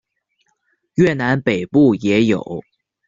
越南北部也有。